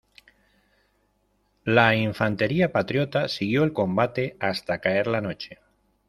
La infantería patriota siguió el combate hasta caer la noche.